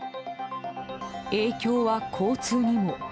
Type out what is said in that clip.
影響は交通にも。